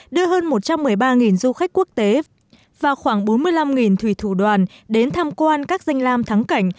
đưa hơn một trăm một mươi ba du khách quốc tế và khoảng bốn mươi năm thủy thủ đoàn đến tham quan các danh lam thắng cảnh